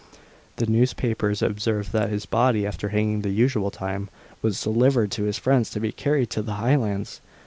The newspapers observed that his body, after hanging the usual time, was delivered to his friends to be carried to the Highlands.